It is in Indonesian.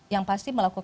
yang pasti memperbaikinya